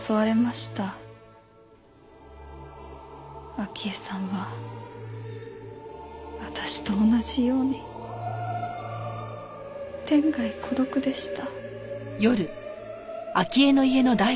明江さんは私と同じように天涯孤独でした。